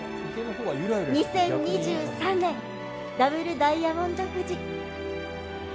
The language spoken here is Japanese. ２０２３年ダブルダイヤモンド富士。